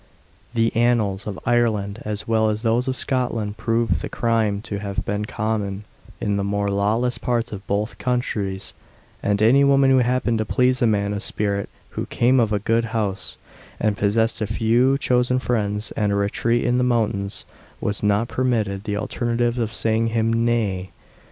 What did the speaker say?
The annals of Ireland, as well as those of Scotland, prove the crime to have been common in the more lawless parts of both countries; and any woman who happened to please a man of spirit who came of a good house, and possessed a few chosen friends, and a retreat in the mountains, was not permitted the alternative of saying him nay.